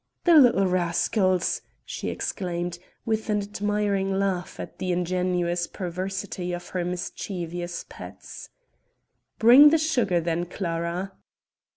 "The little rascals!" she exclaimed, with an admiring laugh at the ingenious perversity of her mischievous pets. "Bring the sugar then, Clara."